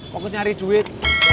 fokus nyari duit